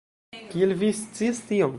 Kiel vi scias tion?